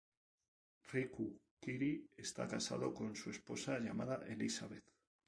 Riku Kiri esta casado con su esposa llamada Elisabeth.